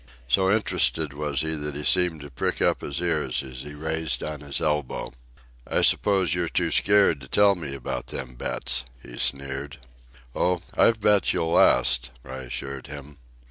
So interested was he that he seemed to prick up his ears as he raised on his elbow. "I suppose you're too scared to tell me about them bets," he sneered. "Oh, I've bet you'll last," I assured him.